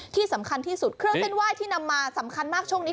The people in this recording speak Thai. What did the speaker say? ที่สำคัญที่สุดเครื่องเส้นไหว้ที่นำมาสำคัญมากช่วงนี้